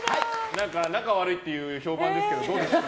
仲悪いって評判ですけどどうですか。